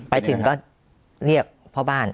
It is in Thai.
ไปถึงก็เรียกพ่อบ้าน